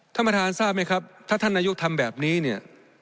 ท่านประธานทราบไหมครับถ้าท่านนายกทำแบบนี้เนี่ย